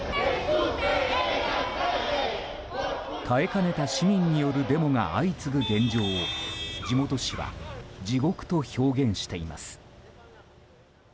耐えかねた市民によるデモが相次ぐ現状を地元紙は地獄と表現しています。